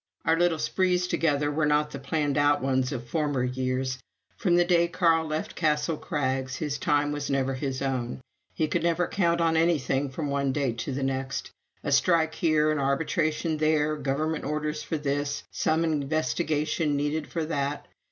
Our little sprees together were not the planned out ones of former years. From the day Carl left Castle Crags, his time was never his own; we could never count on anything from one day to the next a strike here, an arbitration there, government orders for this, some investigation needed for that.